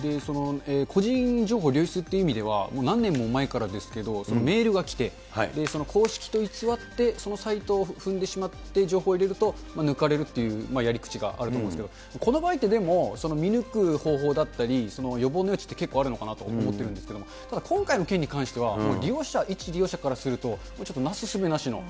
個人情報流出っていう意味では、もう何年も前からですけれども、メールが来て、その公式と偽ってそのサイトを踏んでしまって、情報を入れると抜かれるというやり口があると思うんですけど、この場合ってでも、見抜く方法だったり、予防の余地って結構あるのかなと思ってるんですけど、ただ、今回の件に関ては、利用者、一利用者からするとちょっとなす